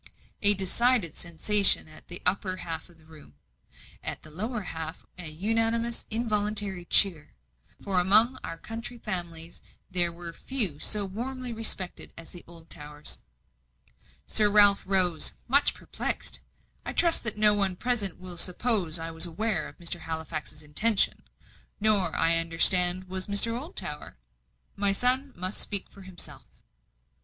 A decided sensation at the upper half of the room. At the lower half an unanimous, involuntary cheer; for among our county families there were few so warmly respected as the Oldtowers. Sir Ralph rose, much perplexed. "I trust that no one present will suppose I was aware of Mr. Halifax's intention. Nor, I understand, was Mr. Oldtower. My son must speak for himself." Mr.